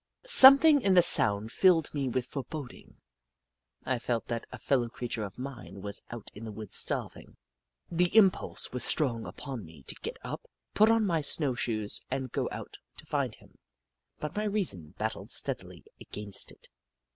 Something in the sound filled me with fore boding. I felt that a fellow creature of mine was out in the woods starving. The impulse was strong upon me to get up, put on my snow shoes, and go out to find him, but my reason battled steadily against it.